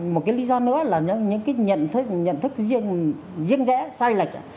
một cái lý do nữa là những cái nhận thức nhận thức riêng rẽ sai lệch